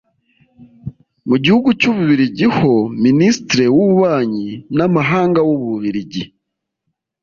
Mu gihugu cy’u Bubiligi ho Ministre w’ububanyi n’amahanga w’u Bubiligi